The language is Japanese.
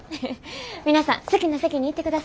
皆さん好きな席に行ってください。